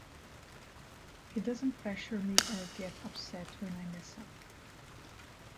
He doesn't pressure me or get upset when I mess up.